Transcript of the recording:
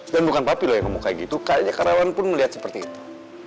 dan bukan papi loh yang ngomong kayak gitu kayaknya karawan pun melihat seperti itu